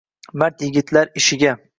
Mard yigitlar ishiga